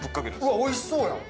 うわおいしそうやん！